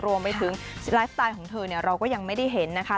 รวมไปถึงไลฟ์สไตล์ของเธอเนี่ยเราก็ยังไม่ได้เห็นนะคะ